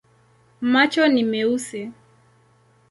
Macho ni meusi.